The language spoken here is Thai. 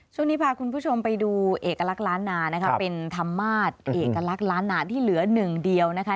ช่วงนี้พาคุณผู้ชมไปดูเอกลักษณ์ล้านนานะคะเป็นธรรมาศเอกลักษณ์ล้านนาที่เหลือหนึ่งเดียวนะคะ